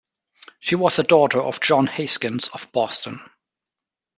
She was the daughter of John Haskins of Boston.